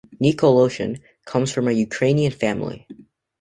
Nikolishin comes from a Ukrainian family.